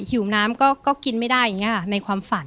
หิวน้ำก็กินไม่ได้อย่างนี้ค่ะในความฝัน